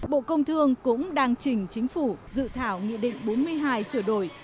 bộ công thương cũng đang trình chính phủ dự thảo nghị định bốn mươi hai sửa đổi